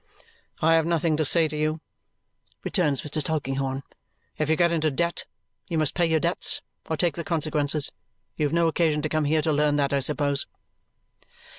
"I have nothing to say to you," rejoins Mr. Tulkinghorn. "If you get into debt, you must pay your debts or take the consequences. You have no occasion to come here to learn that, I suppose?"